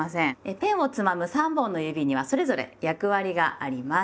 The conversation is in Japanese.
ペンをつまむ３本の指にはそれぞれ役割があります。